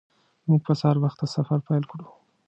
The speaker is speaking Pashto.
موږ به سهار وخته سفر پیل کړو